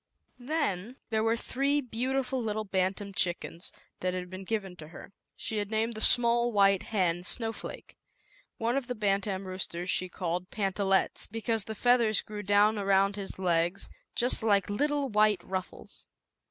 Then there were three beautiful little bantam chickens, that had been given to her. She had named the small white hen Snowflake. One of the bantam roosters she called Pantallettes, because the feathers grew down around his legs just like little white ruffles.